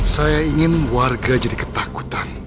saya ingin warga jadi ketakutan